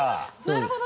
なるほど。